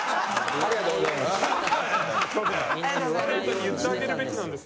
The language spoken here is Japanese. ありがとうございます。